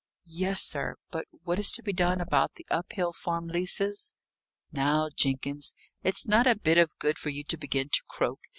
"Yes, sir. But what is to be done about the Uphill farm leases?" "Now, Jenkins, it's not a bit of good for you to begin to croak!